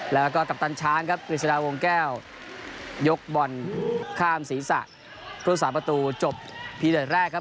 แล้วก็กัปตันช้างครับกฤษฎาวงแก้วยกบ่นข้ามศรีษะพรุษศาสตร์ประตูจบพีเดิร์ดแรกครับ